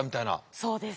そうです。